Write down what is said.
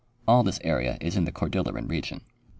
All this area is in the Cor dilleran region.